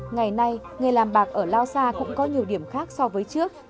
ngày nay nghề làm bạc ở lao sa cũng có nhiều điểm khác so với trước